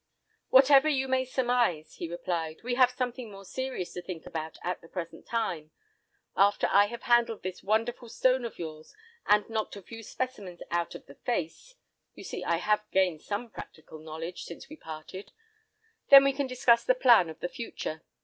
"Whatever you may surmise," he replied, "we have something more serious to think about at the present time. After I have handled this wonderful stone of yours, and knocked a few specimens out of the 'face'—you see I have gained some practical knowledge since we parted—then we can discuss the plan of the future.